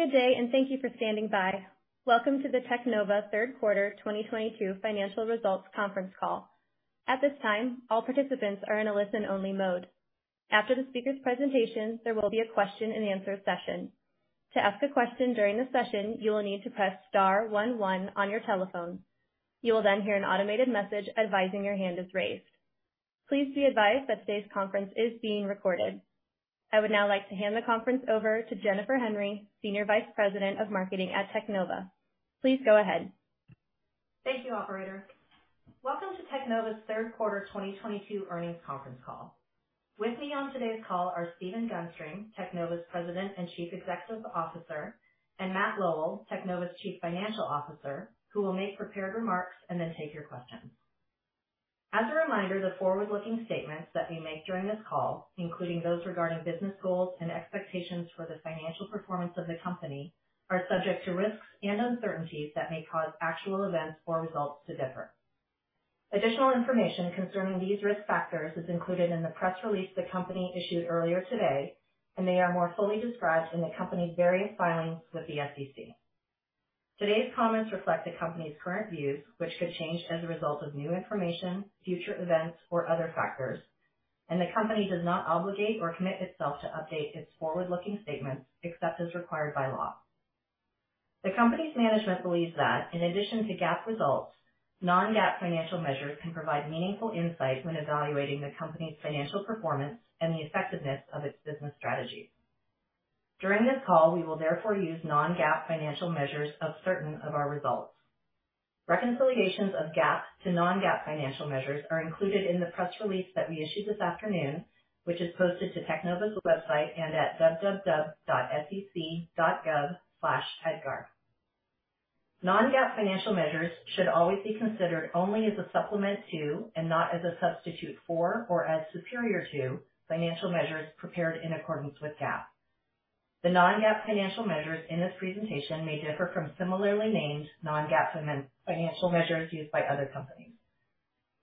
Good day, and thank you for standing by. Welcome to the Alpha Teknova Third Quarter 2022 financial results conference call. At this time, all participants are in a listen-only mode. After the speaker's presentation, there will be a question-and-answer session. To ask a question during the session, you will need to press star one one on your telephone. You will then hear an automated message advising your hand is raised. Please be advised that today's conference is being recorded. I would now like to hand the conference over to Jennifer Henry, Senior Vice President of Marketing at Alpha Teknova, Inc. Please go ahead. Thank you, operator. Welcome to Alpha Teknova's third quarter 2022 earnings conference call. With me on today's call are Stephen Gunstream, Alpha Teknova's President and Chief Executive Officer, and Matt Lowell, Alpha Teknova's Chief Financial Officer, who will make prepared remarks and then take your questions. As a reminder, the forward-looking statements that we make during this call, including those regarding business goals and expectations for the financial performance of the company, are subject to risks and uncertainties that may cause actual events or results to differ. Additional information concerning these risk factors is included in the press release the company issued earlier today, and they are more fully described in the company's various filings with the SEC. Today's comments reflect the company's current views, which could change as a result of new information, future events, or other factors. The company does not obligate or commit itself to update its forward-looking statements except as required by law. The company's management believes that in addition to GAAP results, non-GAAP financial measures can provide meaningful insight when evaluating the company's financial performance and the effectiveness of its business strategy. During this call, we will therefore use non-GAAP financial measures of certain of our results. Reconciliations of GAAP to non-GAAP financial measures are included in the press release that we issued this afternoon, which is posted to Teknova's website and at www.sec.gov/EDGAR. Non-GAAP financial measures should always be considered only as a supplement to and not as a substitute for or as superior to financial measures prepared in accordance with GAAP. The non-GAAP financial measures in this presentation may differ from similarly named non-GAAP financial measures used by other companies.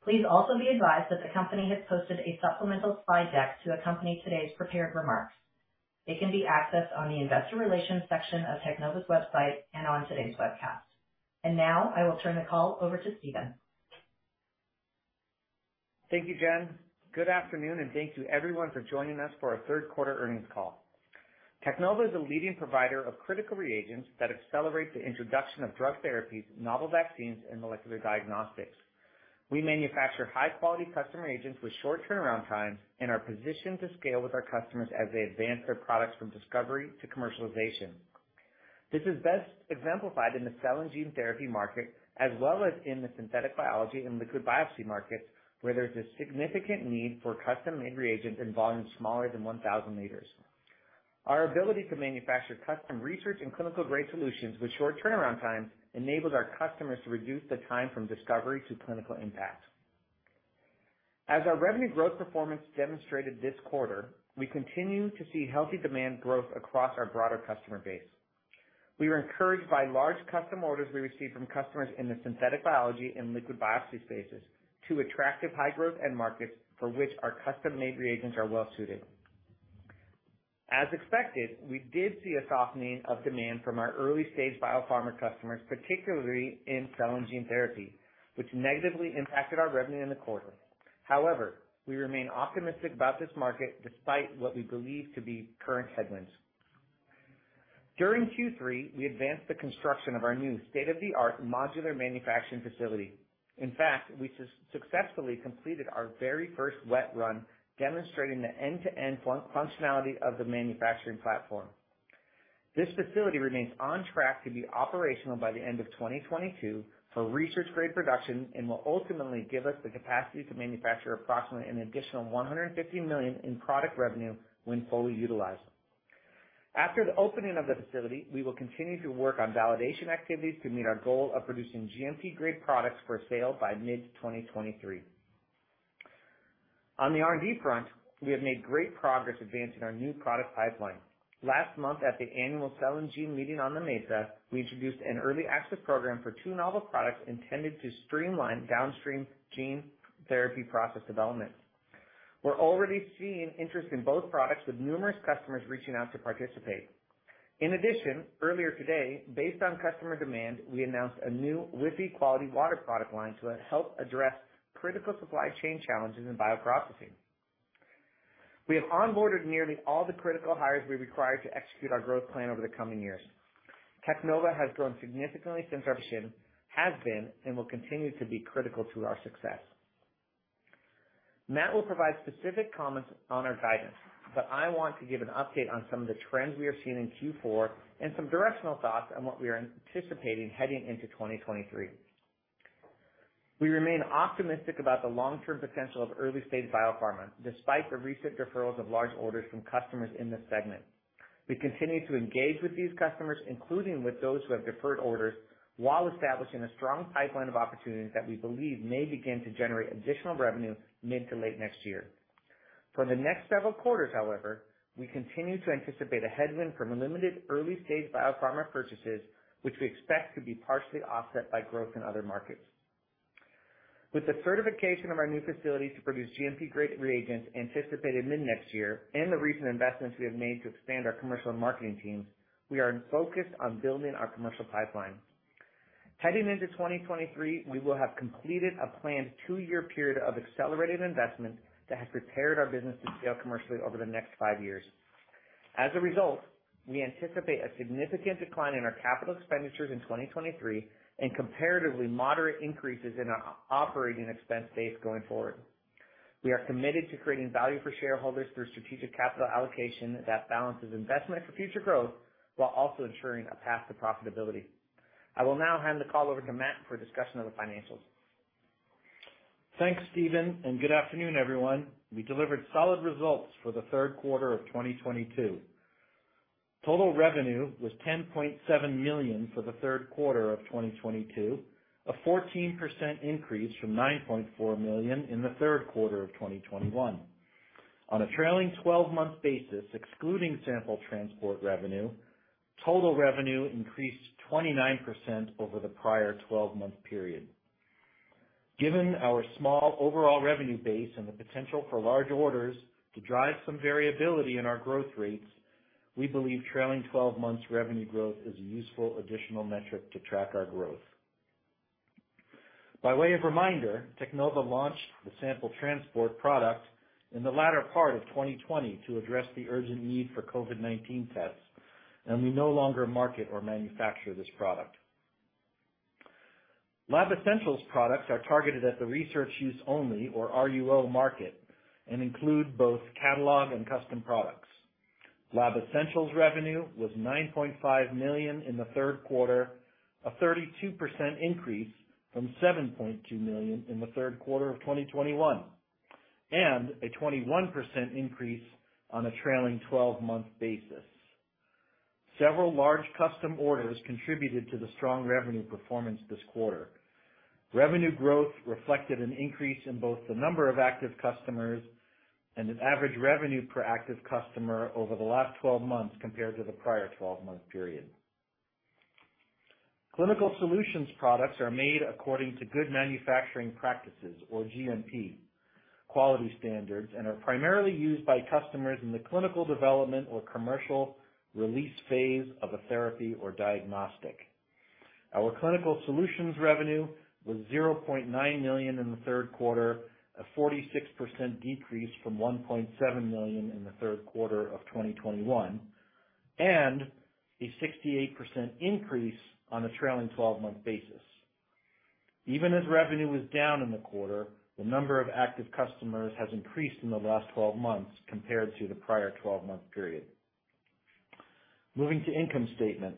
Please also be advised that the company has posted a supplemental slide deck to accompany today's prepared remarks. It can be accessed on the investor relations section of Teknova's website and on today's webcast. Now I will turn the call over to Stephen. Thank you, Jen. Good afternoon, and thank you everyone for joining us for our third quarter earnings call. Alpha Teknova is a leading provider of critical reagents that accelerate the introduction of drug therapies, novel vaccines, and molecular diagnostics. We manufacture high-quality custom reagents with short turnaround times and are positioned to scale with our customers as they advance their products from discovery to commercialization. This is best exemplified in the cell and gene therapy market, as well as in the synthetic biology and liquid biopsy markets, where there's a significant need for custom-made reagents in volumes smaller than 1,000 liters. Our ability to manufacture custom research and clinical-grade solutions with short turnaround times enables our customers to reduce the time from discovery to clinical impact. As our revenue growth performance demonstrated this quarter, we continue to see healthy demand growth across our broader customer base. We were encouraged by large custom orders we received from customers in the synthetic biology and liquid biopsy spaces, two attractive high-growth end markets for which our custom-made reagents are well-suited. As expected, we did see a softening of demand from our early-stage biopharma customers, particularly in cell and gene therapy, which negatively impacted our revenue in the quarter. However, we remain optimistic about this market despite what we believe to be current headwinds. During Q3, we advanced the construction of our new state-of-the-art modular manufacturing facility. In fact, we successfully completed our very first wet run, demonstrating the end-to-end functionality of the manufacturing platform. This facility remains on track to be operational by the end of 2022 for research-grade production and will ultimately give us the capacity to manufacture approximately an additional $150 million in product revenue when fully utilized. After the opening of the facility, we will continue to work on validation activities to meet our goal of producing GMP-grade products for sale by mid-2023. On the R&D front, we have made great progress advancing our new product pipeline. Last month, at the annual Cell & Gene Meeting on the Mesa, we introduced an early access program for two novel products intended to streamline downstream gene therapy process development. We're already seeing interest in both products with numerous customers reaching out to participate. In addition, earlier today, based on customer demand, we announced a new WFI-quality water product line to help address critical supply chain challenges in bioprocessing. We have onboarded nearly all the critical hires we require to execute our growth plan over the coming years. Alpha Teknova has grown significantly since our team has been, and will continue to be, critical to our success. Matt will provide specific comments on our guidance, but I want to give an update on some of the trends we are seeing in Q4 and some directional thoughts on what we are anticipating heading into 2023. We remain optimistic about the long-term potential of early-stage biopharma, despite the recent deferrals of large orders from customers in this segment. We continue to engage with these customers, including with those who have deferred orders, while establishing a strong pipeline of opportunities that we believe may begin to generate additional revenue mid to late next year. For the next several quarters, however, we continue to anticipate a headwind from limited early-stage biopharma purchases, which we expect to be partially offset by growth in other markets. With the certification of our new facility to produce GMP-grade reagents anticipated mid-next year and the recent investments we have made to expand our commercial and marketing teams, we are focused on building our commercial pipeline. Heading into 2023, we will have completed a planned 2-year period of accelerated investment that has prepared our business to scale commercially over the next 5 years. As a result, we anticipate a significant decline in our capital expenditures in 2023 and comparatively moderate increases in our operating expense base going forward. We are committed to creating value for shareholders through strategic capital allocation that balances investment for future growth while also ensuring a path to profitability. I will now hand the call over to Matt for a discussion of the financials. Thanks, Stephen, and good afternoon, everyone. We delivered solid results for the third quarter of 2022. Total revenue was $10.7 million for the third quarter of 2022, a 14% increase from $9.4 million in the third quarter of 2021. On a trailing twelve-month basis, excluding sample transport revenue, total revenue increased 29% over the prior twelve-month period. Given our small overall revenue base and the potential for large orders to drive some variability in our growth rates, we believe trailing twelve months revenue growth is a useful additional metric to track our growth. By way of reminder, Alpha Teknova launched the sample transport product in the latter part of 2020 to address the urgent need for COVID-19 tests, and we no longer market or manufacture this product. Lab Essentials products are targeted at the research use only, or RUO market, and include both catalog and custom products. Lab Essentials revenue was $9.5 million in the third quarter, a 32% increase from $7.2 million in the third quarter of 2021, and a 21% increase on a trailing twelve-month basis. Several large custom orders contributed to the strong revenue performance this quarter. Revenue growth reflected an increase in both the number of active customers and an average revenue per active customer over the last twelve months compared to the prior twelve-month period. Clinical Solutions products are made according to Good Manufacturing Practices, or GMP quality standards, and are primarily used by customers in the clinical development or commercial release phase of a therapy or diagnostic. Our Clinical Solutions revenue was $0.9 million in the third quarter, a 46% decrease from $1.7 million in the third quarter of 2021, and a 68% increase on a trailing twelve-month basis. Even as revenue was down in the quarter, the number of active customers has increased in the last twelve months compared to the prior twelve-month period. Moving to income statement.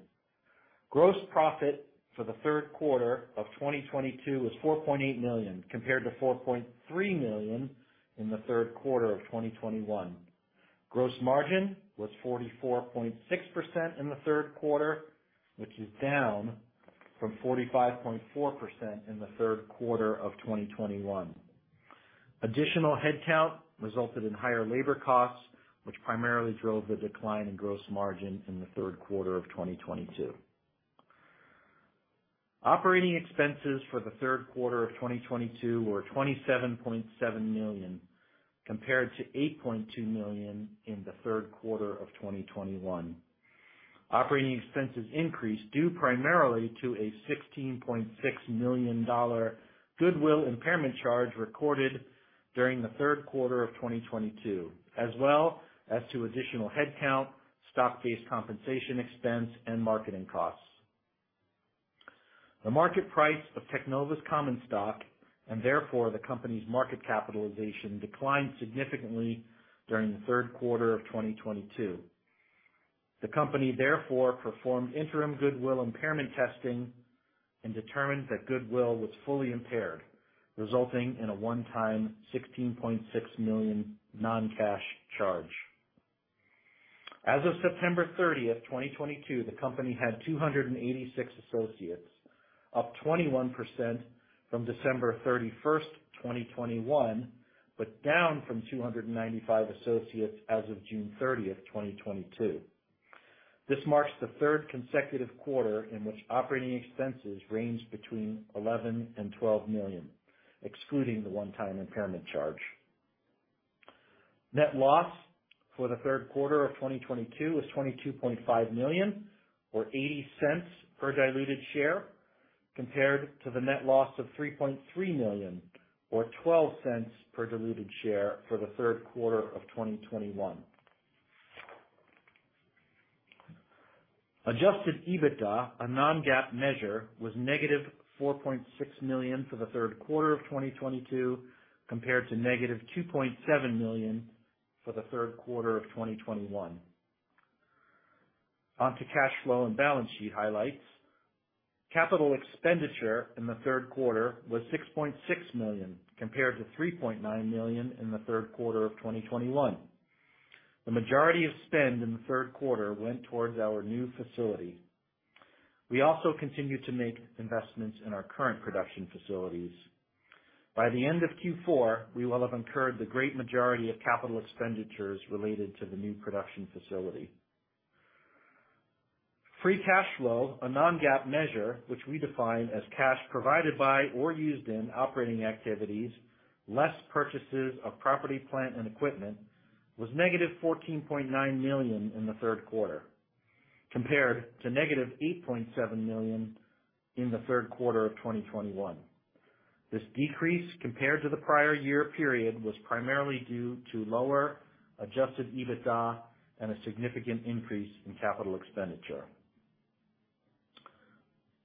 Gross profit for the third quarter of 2022 was $4.8 million, compared to $4.3 million in the third quarter of 2021. Gross margin was 44.6% in the third quarter, which is down from 45.4% in the third quarter of 2021. Additional headcount resulted in higher labor costs, which primarily drove the decline in gross margin in the third quarter of 2022. Operating expenses for the third quarter of 2022 were $27.7 million, compared to $8.2 million in the third quarter of 2021. Operating expenses increased due primarily to a $16.6 million goodwill impairment charge recorded during the third quarter of 2022, as well as to additional headcount, stock-based compensation expense, and marketing costs. The market price of Alpha Teknova's common stock, and therefore the company's market capitalization, declined significantly during the third quarter of 2022. The company therefore performed interim goodwill impairment testing and determined that goodwill was fully impaired, resulting in a one-time $16.6 million non-cash charge. As of September 30, 2022, the company had 286 associates, up 21% from December 31, 2021, but down from 295 associates as of June 30, 2022. This marks the third consecutive quarter in which operating expenses ranged between $11-$12 million, excluding the one-time impairment charge. Net loss for the third quarter of 2022 was $22.5 million, or $0.80 per diluted share, compared to the net loss of $3.3 million, or $0.12 per diluted share for the third quarter of 2021. Adjusted EBITDA, a non-GAAP measure, was -$4.6 million for the third quarter of 2022, compared to -$2.7 million for the third quarter of 2021. On to cash flow and balance sheet highlights. Capital expenditure in the third quarter was $6.6 million, compared to $3.9 million in the third quarter of 2021. The majority of spend in the third quarter went towards our new facility. We also continued to make investments in our current production facilities. By the end of Q4, we will have incurred the great majority of capital expenditures related to the new production facility. Free cash flow, a non-GAAP measure which we define as cash provided by or used in operating activities, less purchases of property, plant, and equipment, was negative $14.9 million in the third quarter, compared to negative $8.7 million in the third quarter of 2021. This decrease compared to the prior year period was primarily due to lower Adjusted EBITDA and a significant increase in capital expenditure.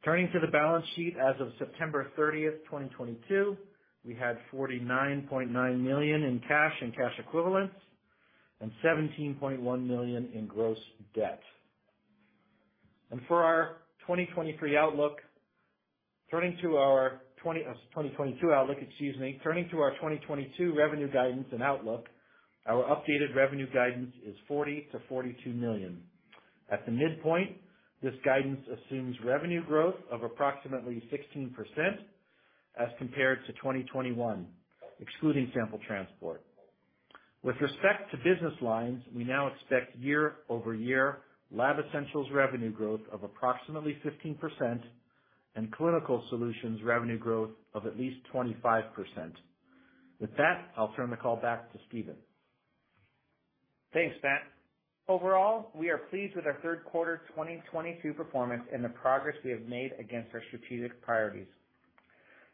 Turning to the balance sheet, as of September 30, 2022, we had $49.9 million in cash and cash equivalents and $17.1 million in gross debt. Turning to our 2022 outlook, excuse me. Turning to our 2022 revenue guidance and outlook, our updated revenue guidance is $40 million-$42 million. At the midpoint, this guidance assumes revenue growth of approximately 16% as compared to 2021, excluding sample transport. With respect to business lines, we now expect year-over-year Lab Essentials revenue growth of approximately 15% and Clinical Solutions revenue growth of at least 25%. With that, I'll turn the call back to Stephen. Thanks, Matt. Overall, we are pleased with our third quarter 2022 performance and the progress we have made against our strategic priorities.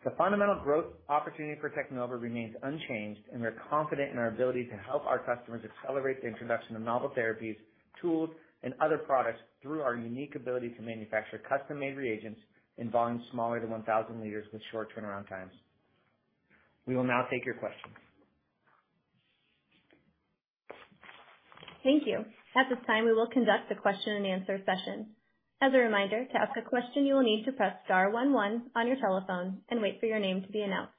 The fundamental growth opportunity for Alpha Teknova remains unchanged, and we're confident in our ability to help our customers accelerate the introduction of novel therapies, tools, and other products through our unique ability to manufacture custom-made reagents in volumes smaller than 1,000 liters with short turnaround times. We will now take your questions. Thank you. At this time, we will conduct a question-and-answer session. As a reminder, to ask a question, you will need to press star one one on your telephone and wait for your name to be announced.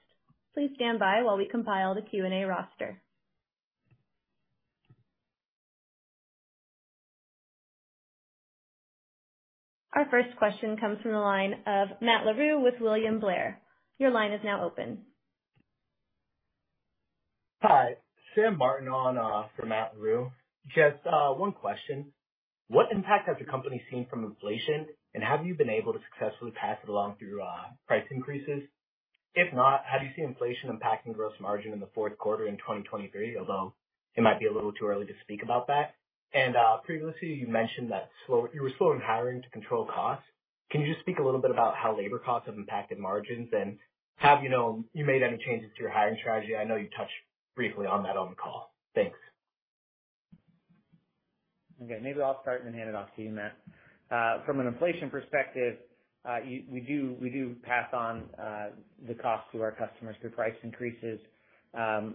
Please stand by while we compile the Q&A roster. Our first question comes from the line of Matthew Larew with William Blair. Your line is now open. Hi, Samuel Martin on for Matthew Larew. Just one question. What impact has the company seen from inflation, and have you been able to successfully pass it along through price increases? If not, how do you see inflation impacting gross margin in the fourth quarter in 2023, although it might be a little too early to speak about that. Previously you mentioned that you were slow in hiring to control costs. Can you just speak a little bit about how labor costs have impacted margins and have you know, made any changes to your hiring strategy? I know you touched briefly on that on the call. Thanks. Okay. Maybe I'll start and then hand it off to you, Matt. From an inflation perspective, we do pass on the cost to our customers through price increases, and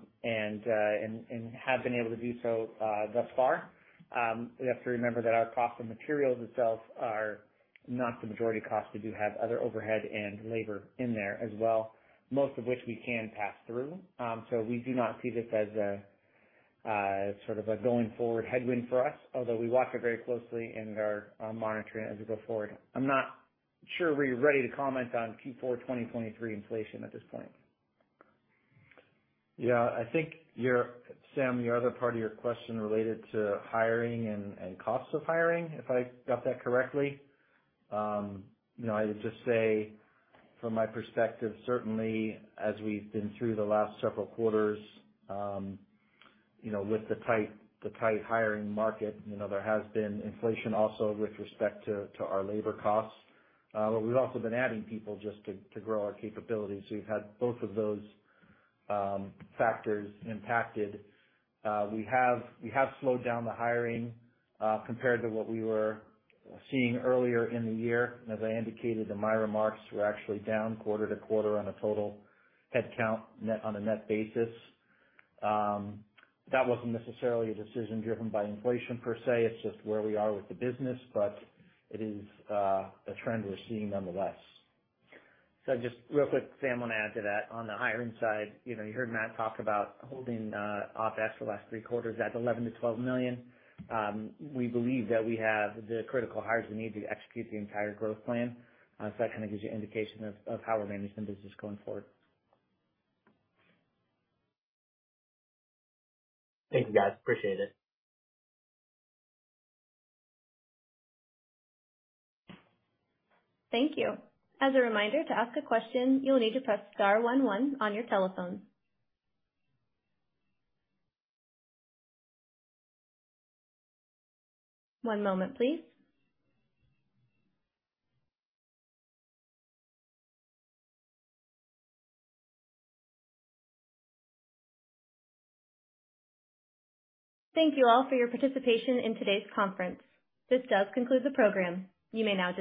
have been able to do so thus far. You have to remember that our cost of materials itself are not the majority cost. We do have other overhead and labor in there as well, most of which we can pass through. We do not see this as a sort of going forward headwind for us, although we watch it very closely and are monitoring it as we go forward. I'm not sure we're ready to comment on Q4 2023 inflation at this point. Yeah. I think, Sam, your other part of your question related to hiring and costs of hiring, if I got that correctly, you know, I would just say from my perspective, certainly as we've been through the last several quarters, you know, with the tight hiring market, you know, there has been inflation also with respect to our labor costs. We've also been adding people just to grow our capabilities. We've had both of those factors impacted. We have slowed down the hiring compared to what we were seeing earlier in the year. As I indicated in my remarks, we're actually down quarter to quarter on a total headcount net, on a net basis. That wasn't necessarily a decision driven by inflation per se. It's just where we are with the business. It is a trend we're seeing nonetheless. Just real quick, Sam, I wanna add to that. On the hiring side, you know, you heard Matt talk about holding OpEx the last three quarters at $11 million-$12 million. We believe that we have the critical hires we need to execute the entire growth plan. That kind of gives you indication of how we're managing the business going forward. Thank you, guys. Appreciate it. Thank you. As a reminder, to ask a question, you will need to press star one one on your telephone. One moment, please. Thank you all for your participation in today's conference. This does conclude the program. You may now disconnect.